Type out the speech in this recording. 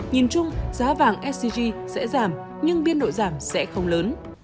nhìn chung giá vàng sgc sẽ giảm nhưng biên độ giảm sẽ không lớn